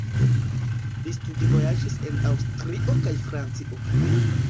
Li studvojaĝis en Aŭstrio kaj Francio.